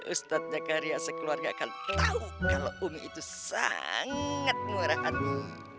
ustadz jakaria sekeluarga akan tahu kalau umi itu sangat murah hati